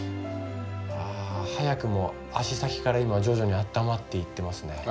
あ早くも足先から今徐々にあったまっていってますね。